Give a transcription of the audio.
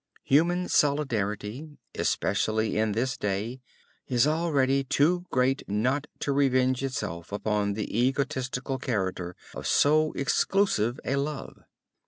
Human solidarity, especially in this day, is already too great not to revenge itself upon the egotistical character of so exclusive a love.